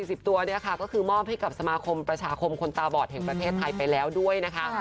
สิบตัวเนี่ยค่ะก็คือมอบให้กับสมาคมประชาคมคนตาบอดแห่งประเทศไทยไปแล้วด้วยนะคะ